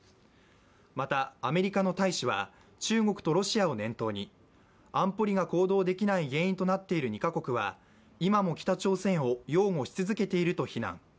また、アメリカの大使は中国とロシアを念頭に安保理が行動できない原因となっている２か国は今も北朝鮮を擁護し続けていると非難。